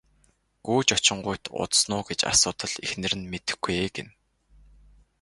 Гүйж очингуут удсан уу гэж асуутал эхнэр нь мэдэхгүй ээ гэнэ.